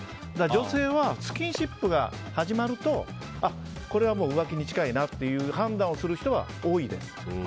女性はスキンシップが始まるとこれは浮気に近いなという判断をする人は多いです。